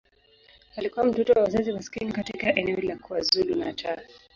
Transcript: Alikuwa mtoto wa wazazi maskini katika eneo la KwaZulu-Natal.